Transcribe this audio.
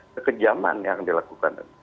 kekejaman yang dilakukan